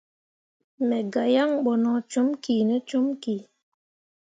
Me gah yan bo no com kine comki.